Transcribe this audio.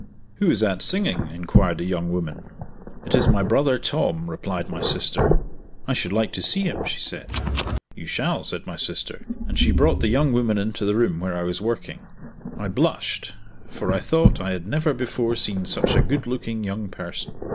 "Who is that singing?" enquired the young woman. "It is my brother Tom," replied my sister. "I should like to see him," she said, "You shall," said my sister, and she brought the young woman into the room where I was working. I blushed, for I thought, I had never before seen such a good looking young person.